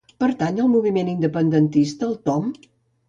Pertany al moviment independentista el Tom?